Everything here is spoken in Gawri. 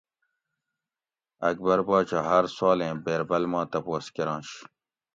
اکبر باچہ ھار سوالیں بیربل ما تپوس کرنش